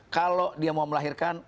kalau dia mau melahirkan